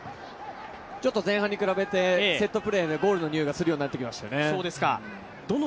ちょっと前半に比べてセットプレーでゴールのにおいがするようになりましたね。